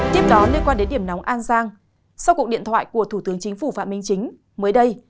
tiếp đó liên quan đến điểm nóng an giang sau cuộc điện thoại của thủ tướng chính phủ phạm minh chính mới đây